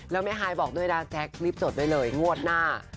แล้วแม่ฮายบอกด้วยนะแจ๊ครีบจดไว้เลยงวดหน้า